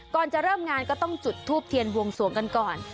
ก่อนจะเริ่มงานก็ต้องจุดทูปเทียนบวงสวงกันก่อน